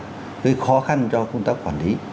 rất là khó khăn cho chúng ta quản lý